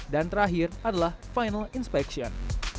dan terakhir adalah final inspection